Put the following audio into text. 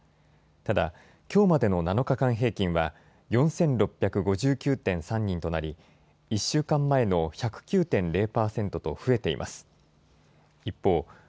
ただ、きょうまでの７日間平均は４６５９．３人となり、１週間前の１０９．０％と増えています。